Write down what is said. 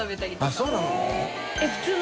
そうなの？